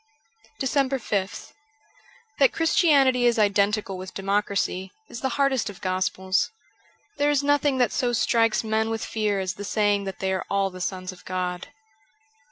376 DECEMBER 5th THAT Christianity is identical with democracy, is the hardest of gospels ; there is nothing that so strikes men with fear as the saying that they are all the sons of God.